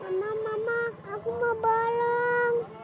mama mama aku mau balon